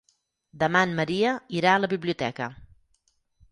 Demà en Maria irà a la biblioteca.